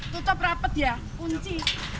tutup rapet ya kunci